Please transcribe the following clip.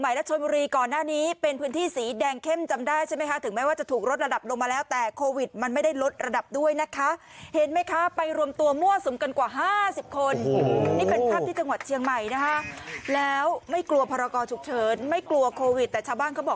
อันนี้ไม่ได้เบลอนี่๒๐๒๑ใช่ไหม